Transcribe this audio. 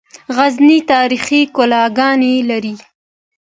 غزني تاریخي کلاګانې لري